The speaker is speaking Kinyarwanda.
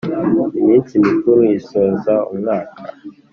iminsi mikuru isoza umwaka